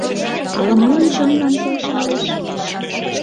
Ала-молан чонлан келшалеш